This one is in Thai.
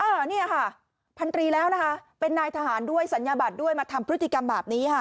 เนี่ยค่ะพันตรีแล้วนะคะเป็นนายทหารด้วยศัลยบัตรด้วยมาทำพฤติกรรมแบบนี้ค่ะ